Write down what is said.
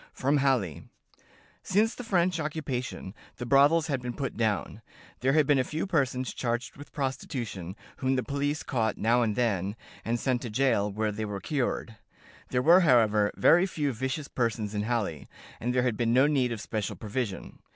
From Halle: "Since the French occupation, the brothels had been put down. There had been a few persons charged with prostitution, whom the police caught now and then, and sent to jail, where they were cured. There were, however, very few vicious persons in Halle, and there had been no need of special provision.